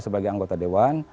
sebagai anggota dewan